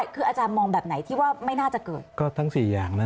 คืออาจารย์มองมิติไหน